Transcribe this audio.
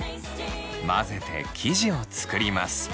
混ぜて生地を作ります。